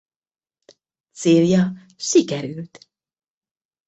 Célja sikerült.